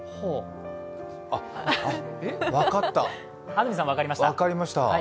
あ、分かった、分かりました。